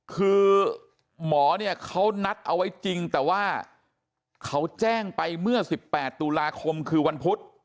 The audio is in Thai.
คือหมอเนี่ยเขานัดเอาไว้จริงแต่ว่าเขาแจ้งไปเมื่อ๑๘ตุลาคมคือวันพุธ